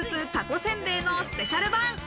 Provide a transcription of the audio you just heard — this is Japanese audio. せんべいのスペシャル版！